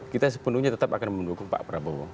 kita sepenuhnya tetap akan mendukung pak prabowo